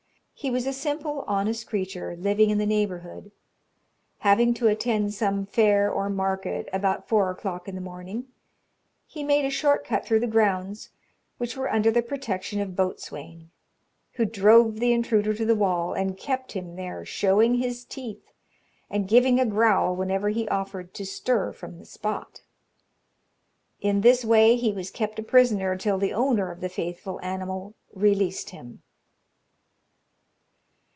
He was a simple, honest creature, living in the neighbourhood. Having to attend some fair or market, about four o'clock in the morning, he made a short cut through the grounds, which were under the protection of Boatswain, who drove the intruder to the wall, and kept him there, showing his teeth, and giving a growl whenever he offered to stir from the spot. In this way he was kept a prisoner till the owner of the faithful animal released him.